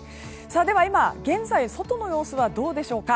では今、外の様子はどうでしょうか。